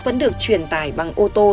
vẫn được chuyển tải bằng ô tô